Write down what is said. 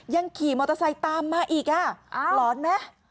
ยังขี่มอเตอร์ไซต์ตามมาอีกหลอนนะ